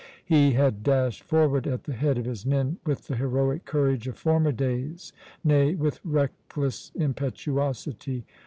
He had dashed forward at the head of his men with the heroic courage of former days nay, with reckless impetuosity.